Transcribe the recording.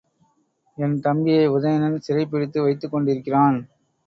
என் தம்பியை உதயணன் சிறைப்பிடித்து வைத்துக்கொண்டிருக்கிறான்.